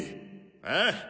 ああ？